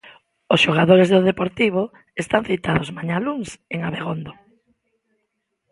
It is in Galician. Os xogadores do Deportivo están citados mañá luns en Abegondo.